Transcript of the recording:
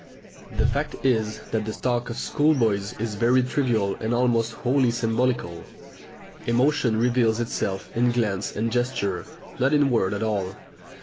The fact is that the talk of schoolboys is very trivial and almost wholly symbolical; emotion reveals itself in glance and gesture, not in word at all.